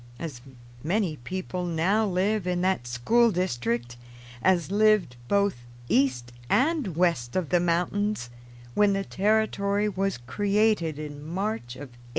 As many people now live in that school district as lived both east and west of the mountains when the Territory was created in March of 1853.